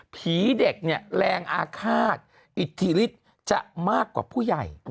ผีเด็กเนี่ยแรงอาฆาตอิทธิฤทธิ์จะมากกว่าผู้ใหญ่